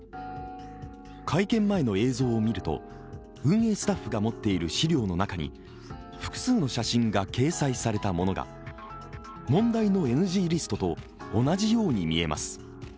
会見前の映像を見ると運営スタッフが持っている資料の中に複数の写真が掲載されたものが問題のＮＧリストと同じように見えます。